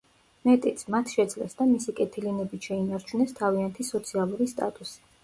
მეტიც, მათ შეძლეს და მისი კეთილი ნებით შეინარჩუნეს თავიანთი სოციალური სტატუსი.